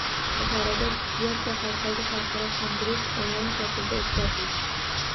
Buxoroda tibbiyot sohasidagi xalqaro kongress onlayn shaklda o‘tkazildi